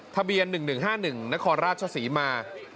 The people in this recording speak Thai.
ทะเบียน๑๑๕๑นครราชศรีมา